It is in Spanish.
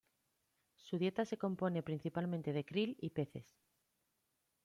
Su dieta se compone principalmente de krill y peces.